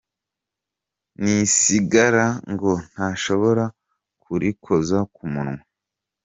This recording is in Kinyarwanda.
N’isigara ngo ntashobora kurikoza ku munwa.